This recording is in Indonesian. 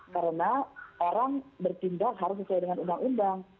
karena orang bertindak harus sesuai dengan undang undang